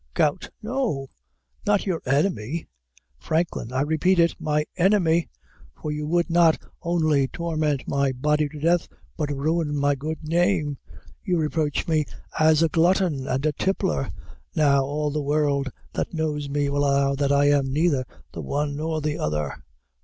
GOUT. No, not your enemy. FRANKLIN. I repeat it, my enemy; for you would not only torment my body to death, but ruin my good name; you reproach me as a glutton and a tippler; now all the world, that knows me, will allow that I am neither the one nor the other.